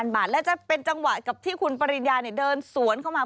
บาทและจะเป็นจังหวะกับที่คุณปริญญาเดินสวนเข้ามา